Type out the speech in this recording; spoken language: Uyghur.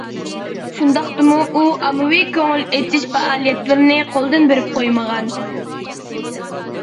شۇنداقتىمۇ ئۇ ئاممىۋى كۆڭۈل ئېچىش پائالىيەتلىرىنى قولدىن بېرىپ قويمىغان.